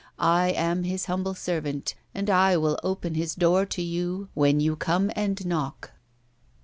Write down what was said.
I am His humble servant, and I will open His door to you when you come and knock."